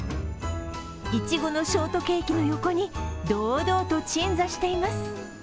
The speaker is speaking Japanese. いちごのショートケーキの横に堂々と鎮座しています。